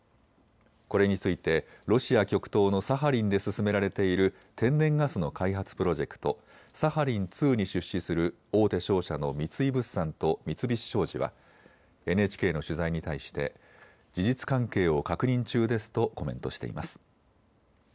これについてロシア極東のサハリンで進められている天然ガスの開発プロジェクト、サハリン２に出資する大手商社の三井物産と三菱商事はＮＨＫの取材に対して事実関係を確認中ですとコメントしています。